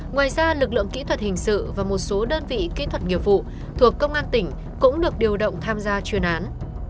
ngoài ra lực lượng kỹ thuật hình sự và một số đơn vị kỹ thuật nghiệp vụ thuộc công an tỉnh cũng được điều động tham gia chuyên án